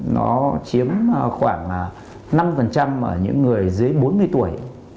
nó chiếm khoảng năm ở những người dưới bốn mươi tuổi